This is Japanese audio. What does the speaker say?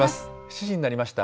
７時になりました。